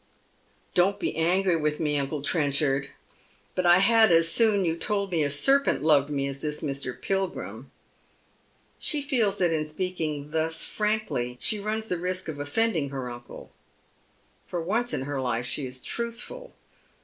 " Don't be angry with me, uncle Trenchard, but I had as soon you told me a serpent loved me as this Mr. Pilgrim." She feels that in speaking tlius frankly she runs the risk of offending her uncle. Tor once in her life she is truthful.